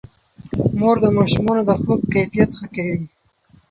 مور د ماشومانو د خوب کیفیت ښه کوي.